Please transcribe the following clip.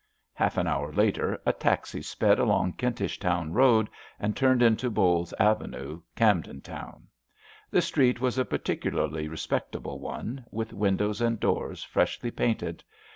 Half an hour later a taxi sped along Kentish Town Road and turned into Bowles Avenue, Camden Town. The street was a particularly respectable one, with windows and doors freshly painted.